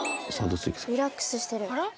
リラックスしてる。